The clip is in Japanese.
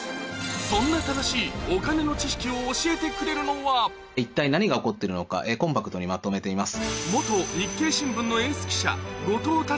そんなを教えてくれるのは一体何が起こってるのかコンパクトにまとめています。